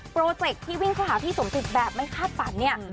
โปรเจคที่วิ่งเข้าหาพี่สมจิตแบบไม่คาดฝันเนี่ย